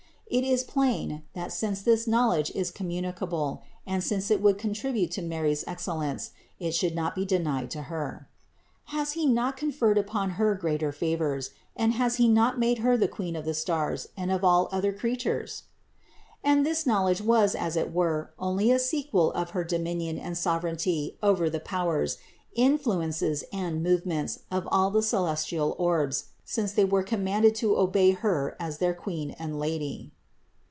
It is plain, that since this knowledge is com municable and since it would contribute to Mary's excel lence, it should not be denied to Her. Has He not con ferred upon Her greater favors, and has He not made Her the Queen of the stars and of all other creatures? 50 CITY OF GOD And this knowledge was as it were only a sequel of her dominion and sovereignty over the powers, influences and movements of all the celestial orbs, since they were commanded to obey Her as their Queen and Lady.